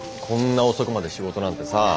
こんな遅くまで仕事なんてさ。